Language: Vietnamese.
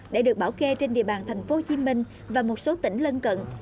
đã được bảo kê trên địa bàn thành phố hồ chí minh và một số tỉnh lân cận